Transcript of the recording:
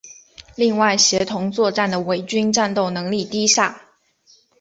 另外协同作战的伪军的战斗能力低下。